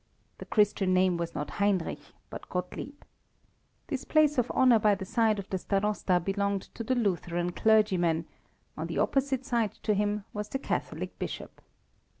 The Christian name was not Heinrich, but Gottlieb. This place of honour by the side of the Starosta belonged to the Lutheran clergyman, on the opposite side to him was the Catholic bishop.